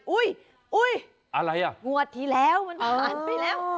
อุ้ยงวดทีแล้วมันผ่านไปแล้ว